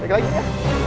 balik lagi ya